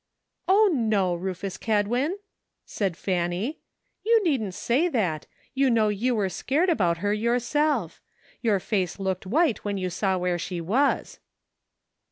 " O, no, Rufus Kedwin !" said Fanny ;" you needn't say that, you know you were scared about her yourself; your face looked white when you saw where she was."